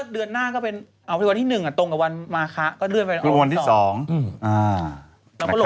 เดือนหน้าก็เป็นอ๋อวันที่๑ตรงกับวันมาคะ